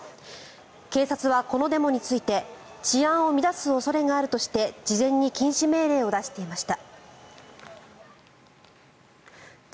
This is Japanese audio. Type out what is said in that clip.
警察はこのデモについて治安を乱す恐れがあるとして事前に禁止命令を出していました。